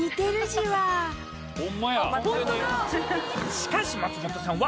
しかし松本さんは。